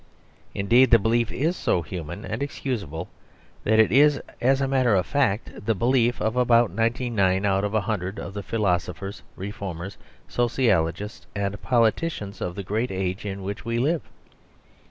Indeed, the belief is so human and excusable that it is, as a matter of fact, the belief of about ninety nine out of a hundred of the philosophers, reformers, sociologists, and politicians of the great age in which we live.